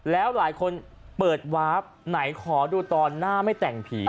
แล้วหลายคนเปิดวาร์ฟไหนขอดูตอนหน้าไม่แต่งผี